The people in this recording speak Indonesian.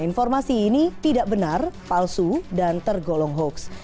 informasi ini tidak benar palsu dan tergolong hoax